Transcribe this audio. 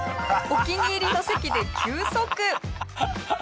お気に入りの席で休息。